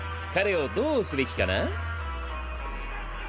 彼をどうすべきかな？